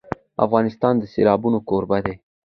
افغانستان د سیلابونه کوربه دی.